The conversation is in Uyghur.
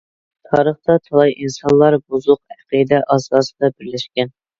تارىختا تالاي ئىنسانلار بۇزۇق ئەقىدە ئاساسىدا بىرلەشكەن.